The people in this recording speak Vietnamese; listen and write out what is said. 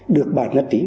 được bản nhất trí